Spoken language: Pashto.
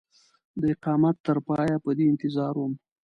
د اقامت تر پایه په دې انتظار وم.